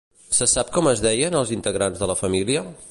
Se sap com es deien els integrants de la família?